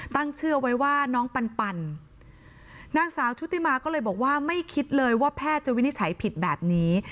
เชื่อไว้ว่าน้องปันนางสาวชุติมาก็เลยบอกว่าไม่คิดเลยว่าแพทย์จะวินิจฉัยผิดแบบนี้